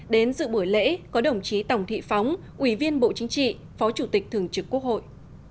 đến dự buổi lễ có đồng chí tổng thị phóng ubnd phó chủ tịch thường trực quốc hội